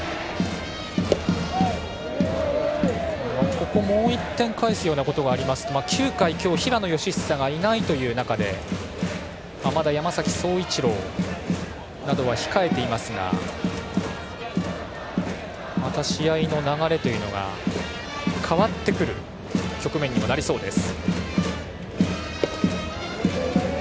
ここもう１点返すようなことがありますと９回、今日は平野佳寿がいないという中で山崎颯一郎などがまだ控えていますがまた試合の流れが変わってくる局面にもなりそうです。